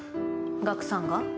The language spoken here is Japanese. ガクさんが？